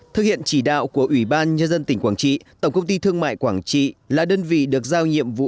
thực hiện chỉ đạo của ủy ban nhân dân tỉnh quảng trị tổng công ty thương mại quảng trị là đơn vị được giao nhiệm vụ